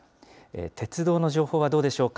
鉄道の情報はどうでしょうか。